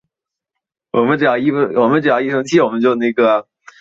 后哲生馆因抗日战争停工。